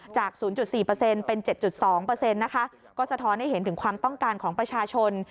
๐๔เป็น๗๒นะคะก็สะท้อนให้เห็นถึงความต้องการของประชาชน